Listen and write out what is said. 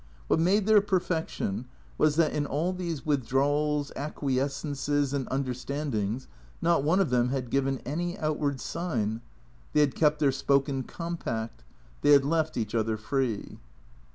Wliat made their perfection was that in all these withdrawals, acquiescences and understandings not one of them had given any outward sign. They had kept their spoken compact. They had left each other free.